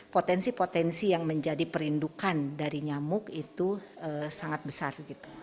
potensi potensi yang menjadi perindukan dari nyamuk itu sangat besar